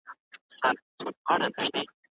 ذهني فشار د اندېښنې احساس زیاتوي.